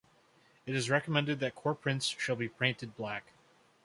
It is recommended that core prints shall be painted black.